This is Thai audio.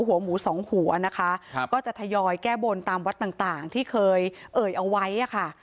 หัวหมูสองหัวนะคะครับก็จะทยอยแก้บนตามวัดต่างต่างที่เคยเอ่ยเอาไว้อ่ะค่ะ